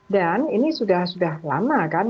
dan ini sudah lama kan